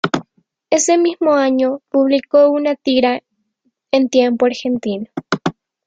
Ese mismo año publicó una tira en Tiempo Argentino.